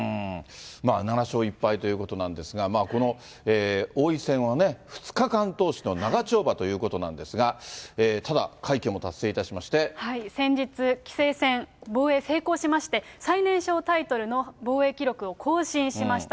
７勝１敗ということなんですが、この王位戦は２日間通しの長丁場ということなんですが、ただ、先日、棋聖戦防衛成功しまして、最年少タイトルの防衛記録を更新しました。